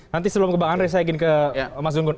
nanti sebelum kebakarannya saya ingin ke mas dunggun